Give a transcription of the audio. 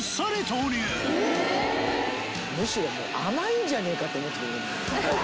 むしろもう甘いんじゃねえかって思えてくる。